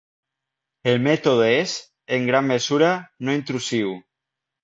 El mètode és, en gran mesura, no intrusiu.